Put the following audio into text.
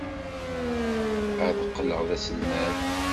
Ad qqleɣ d aselmad.